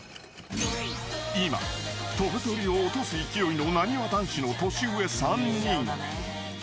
［今飛ぶ鳥を落とす勢いのなにわ男子の年上３人］